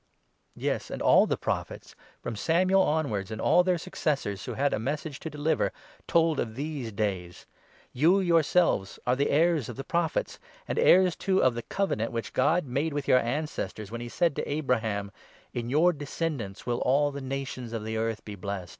Yes, and all the Prophets from Samuel onwards, and all their 24 successors who had a message to deliver, told of these days. You yourselves are the heirs of the Prophets, and heirs, too, of 25 the Covenant which God made with your ancestors, when he said to Abraham —' In your descendants will all the nations of the earth be blessed.'